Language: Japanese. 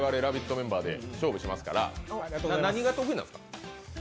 メンバーで勝負しますから何が得意なんですか？